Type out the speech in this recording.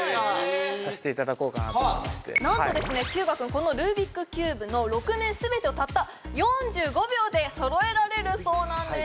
このルービックキューブの６面全てをたった４５秒で揃えられるそうなんです